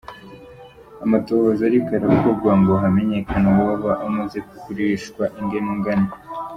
Amatohoza ariko arakogwa ngo hamenyekane uwoba umaze kugurishwa ingene ungana.